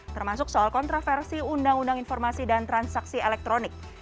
termasuk soal kontroversi undang undang informasi dan transaksi elektronik